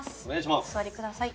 お座りください。